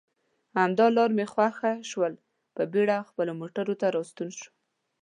همدا لار مې خوښه شول، په بېړه خپلو موټرو ته راستون شوم.